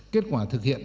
kết quả thực hiện